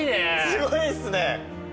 すごいっすね。